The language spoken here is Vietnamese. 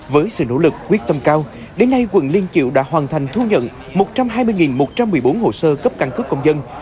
với sự nỗ lực quyết tâm cao đến nay quận liên triệu đã hoàn thành thu nhận một trăm hai mươi một trăm một mươi bốn hồ sơ cấp căn cước công dân